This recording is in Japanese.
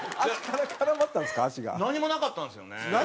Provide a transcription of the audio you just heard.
なんにもなかったんですよね。